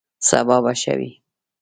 سبا به ښه وي